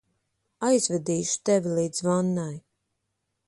Aizvedīšu tevi līdz vannai.